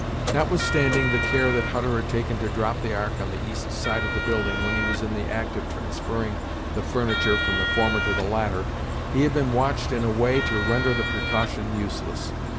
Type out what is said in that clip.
Notwithstanding the care that Hutter had taken to drop the Ark on the east side of the building when he was in the act of transferring the furniture from the former to the latter, he had been watched in a way to render the precaution useless.